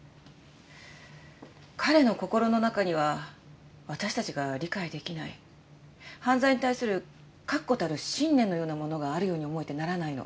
彼の心の中には私たちが理解できない犯罪に対する確固たる信念のようなものがあるように思えてならないの。